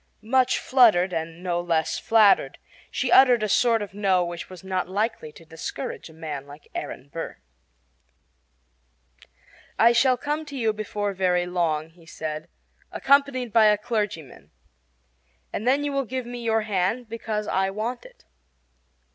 Much fluttered and no less flattered, she uttered a sort of "No" which was not likely to discourage a man like Aaron Burr. "I shall come to you before very long," he said, "accompanied by a clergyman; and then you will give me your hand because I want it."